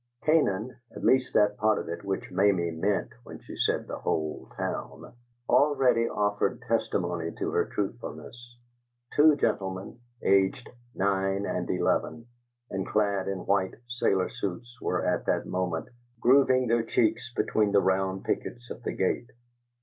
Canaan (at least that part of it which Mamie meant when she said "the whole town") already offered testimony to her truthfulness. Two gentlemen, aged nine and eleven, and clad in white "sailor suits," were at that moment grooving their cheeks between the round pickets of the gate.